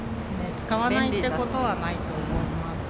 使わないってことはないと思います。